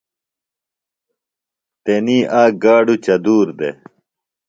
تنی آک گاڈُوۡ چدُور دےۡ۔